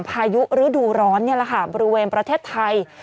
พายุฤดูร้อนนี่แหละค่ะบริเวณประเทศไทย